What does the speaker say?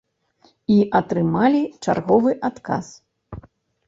І атрымалі чарговы адказ.